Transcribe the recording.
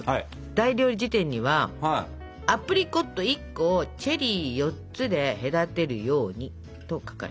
「大料理事典」には「アプリコット１個をチェリー４つで隔てるように」と書かれてたでしょ？